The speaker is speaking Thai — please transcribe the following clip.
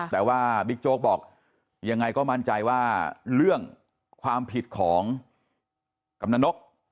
แต่ว่าบิ๊กโจ๊กบอกยังไงก็มั่นใจว่าเรื่องความผิดของกำนันนก